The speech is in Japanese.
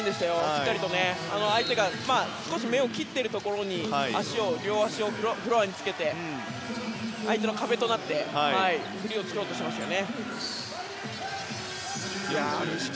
しっかり相手が目を切っているところに両足をフロアにつけて相手の壁となってスクリーンを作ろうとしました。